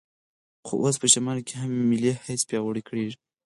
خو اوس په شمال کې هم ملي حس پیاوړی کېږي.